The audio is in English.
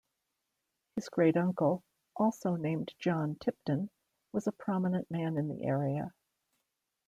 His great uncle, also named John Tipton, was a prominent man in the area.